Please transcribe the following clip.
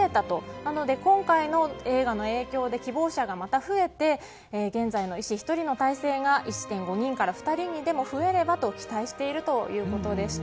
なので、今回の映画の影響で希望者がまた増えて現在の医師１人の体制が１．５人から２人にでも増えればと期待しているということでした。